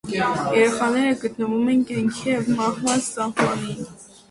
Երեխաները գտնվում են կյանքի և մահվան սահմանին։